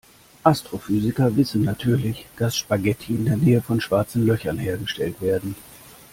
Astrophysiker wissen natürlich, dass Spaghetti in der Nähe von Schwarzen Löchern hergestellt werden.